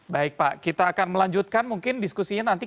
baik pak kita akan melanjutkan mungkin diskusinya nanti